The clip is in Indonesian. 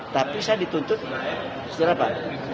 tapi saya dituntut secara apa